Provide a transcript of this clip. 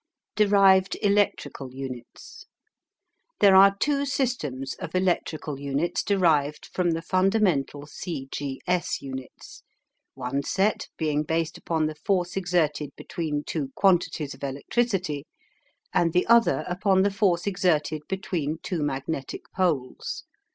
DERIVED ELECTRICAL UNITS. There are two systems of electrical units derived from the fundamental "C.G.S." units, one set being based upon the force exerted between two quantities of electricity, and the other upon the force exerted between two magnetic poles.